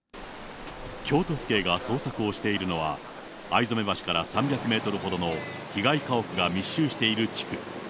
京都府警が捜索をしているのは、逢初橋から３００メートルほど奥の被害家屋が密集している地区。